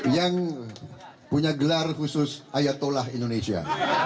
yang punya gelar khusus ayatollah indonesia